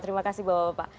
terima kasih bapak bapak